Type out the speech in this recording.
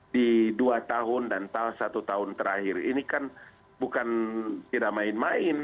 di dua tahun dan satu tahun terakhir ini kan bukan tidak main main